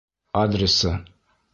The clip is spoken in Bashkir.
Адресы?